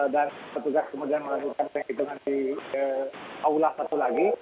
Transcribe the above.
dan petugas kemudian melakukan penghitungan di aula satu lagi